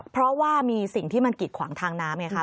เพราะว่ามีสิ่งที่มันกิดขวางทางน้ำไงคะ